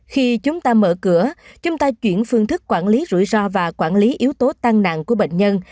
khi chúng ta mở cửa chúng ta chuyển phương thức quản lý rủi ro và quản lý yếu tố tăng nặng của bệnh nhân